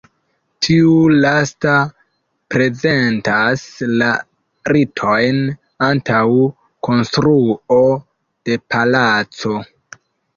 Tiu lasta prezentas la ritojn antaŭ konstruo de palaco.